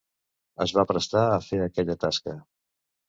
Es va prestar a fer aquella tasca.